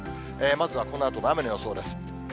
まずはこのあとの雨の予想です。